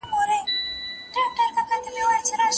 زه دې د سترگو په سکروټو باندې وسوځلم